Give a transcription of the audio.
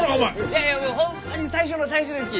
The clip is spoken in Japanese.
いやいやホンマに最初の最初ですき！